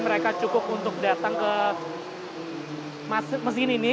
mereka cukup untuk datang ke mesin ini